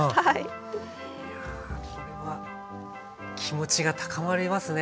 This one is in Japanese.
いやこれは気持ちが高まりますね。